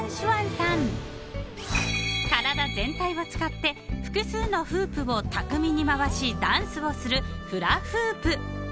［体全体を使って複数のフープを巧みに回しダンスをする］